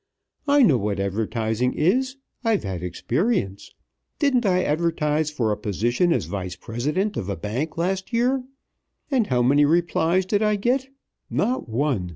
I know what advertising is I've had experience. Didn't I advertise for a position as vice president of a bank last year and how many replies did I get? Not one!